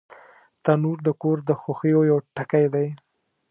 تنور د کور د خوښیو یو ټکی دی